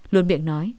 luôn miệng nói